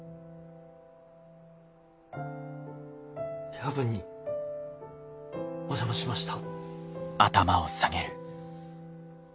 夜分にお邪魔しました。